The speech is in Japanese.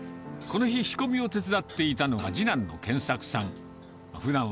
この日、仕込みを手伝っていたのは次男の謙作さん。